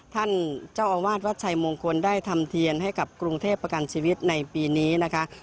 ท่านเจ้าอาวาสวัดชัยมงคลได้ทำเทียนให้กับกรุงเทพประกันชีวิตในปีนี้นะคะ